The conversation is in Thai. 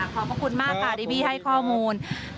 โอเคค่ะขอบคุณมากค่ะที่พี่ให้ข้อมูล